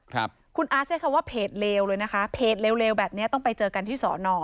ครับคุณอาร์ตใช้คำว่าเพจเลวเลยนะคะเพจเลวเลวแบบเนี้ยต้องไปเจอกันที่สอนอ